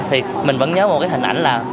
thì mình vẫn nhớ một cái hình ảnh là